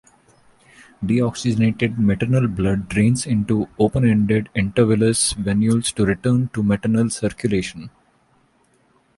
Deoxygenated maternal blood drains into open ended intervillous venules to return to maternal circulation.